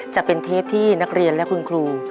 จะเป็นเทปที่นักเรียนและคุณครู